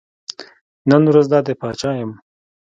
نن ورځ دا دی پاچا یم.